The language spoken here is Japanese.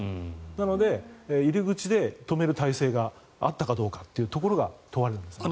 なので、入り口に止める態勢があったかどうかというところが問われますね。